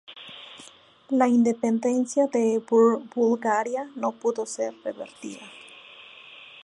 La independencia de Bulgaria no pudo ser revertida.